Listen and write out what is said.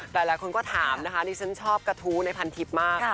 หลายคนก็ถามนะคะดิฉันชอบกระทู้ในพันทิพย์มาก